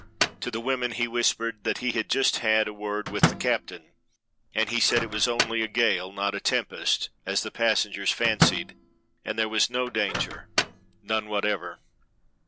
To the women he whispered that he had just had a word with the captain, and he said it was only a gale not a tempest, as the passengers fancied, and there was no danger, none whatever.